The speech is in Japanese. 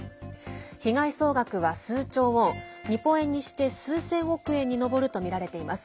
被害総額は数兆ウォン日本円にして数千億円に上るとみられています。